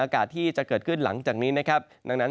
อากาศที่จะเกิดขึ้นหลังจากนี้นะครับดังนั้น